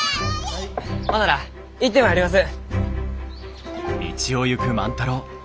ほんなら行ってまいります。